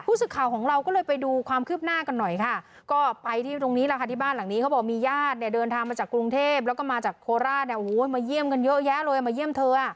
ศึกข่าวของเราก็เลยไปดูความคืบหน้ากันหน่อยค่ะก็ไปที่ตรงนี้แหละค่ะที่บ้านหลังนี้เขาบอกมีญาติเนี่ยเดินทางมาจากกรุงเทพแล้วก็มาจากโคราชเนี่ยโอ้โหมาเยี่ยมกันเยอะแยะเลยมาเยี่ยมเธอ